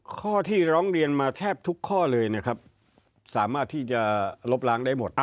ข้อที่ร้องเรียนมาแทบทุกข้อเลยนะครับสามารถที่จะลบล้างได้หมด